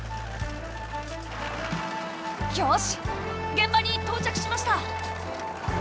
現場に到着しました！